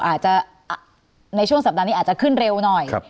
อาจจะในช่วงสัปดาห์นี้อาจจะขึ้นเร็วหน่อย